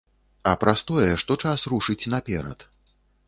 А праз тое, што час рушыць наперад.